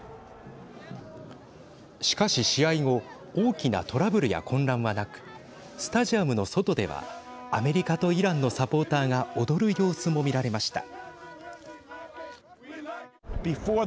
しかし試合後大きなトラブルや混乱はなくスタジアムの外ではアメリカとイランのサポーターが踊る様子も見られました。